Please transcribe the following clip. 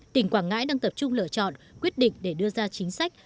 tỉnh quảng ngãi đang tập trung lựa chọn quyết định để đưa ra chính sách